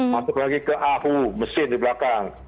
masuk lagi ke ahu mesin di belakang